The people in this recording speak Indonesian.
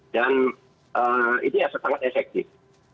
dan itu ya sangat efektif